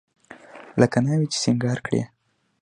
لکه ناوې چې سينګار کړې.